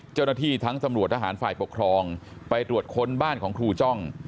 เจ้าหน้าที่ทั้งตำรวจทหารฝ่ายปกครองไปตรวจค้นบ้านของครูจ้อง